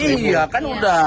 iya kan udah